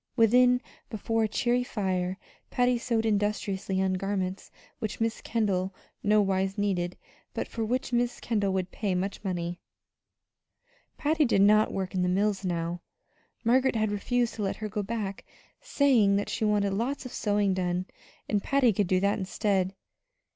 Within, before a cheery fire, Patty sewed industriously on garments which Miss Kendall no wise needed, but for which Miss Kendall would pay much money. Patty did not work in the mills now; Margaret had refused to let her go back, saying that she wanted lots of sewing done, and Patty could do that instead.